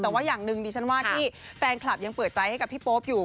แต่ว่าอย่างหนึ่งดิฉันว่าที่แฟนคลับยังเปิดใจให้กับพี่โป๊ปอยู่